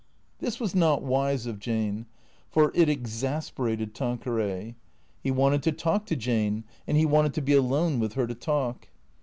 This was not wise of Jane, for it exasperated Tanqueray. He wanted to talk to Jane, and he wanted to be alone with her to talk.